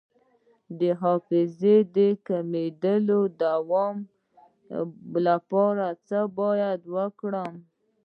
د حافظې د کمیدو د دوام لپاره باید څه وکړم؟